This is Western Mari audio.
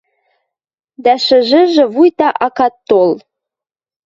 Дӓ шӹжӹжӹ вуйта акат тол.